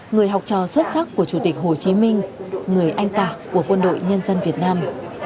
người học trò xuất sắc của chủ tịch hồ chí minh người anh cả của quân đội nhân dân việt nam